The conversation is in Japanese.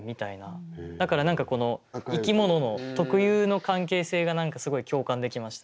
だから何かこの生き物の特有の関係性がすごい共感できました。